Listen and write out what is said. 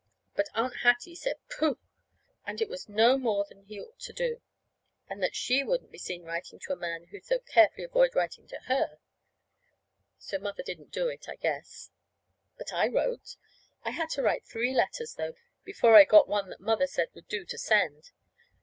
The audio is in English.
But Aunt Hattie said, "Pooh," and it was no more than he ought to do, and that she wouldn't be seen writing to a man who so carefully avoided writing to her. So Mother didn't do it, I guess. But I wrote. I had to write three letters, though, before I got one that Mother said would do to send.